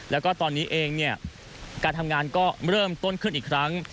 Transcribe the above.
แล้วก็ตอนนี้เองเนี่ยการทำงานก็เริ่มต้นขึ้นอีกครั้ง